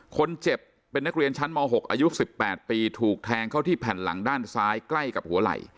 คนเจ็บเป็นนักเรียนชั้นม๖อายุ๑๘ปีถูกแทงเข้าที่แผ่นหลังด้านซ้ายใกล้กับหัวไหล่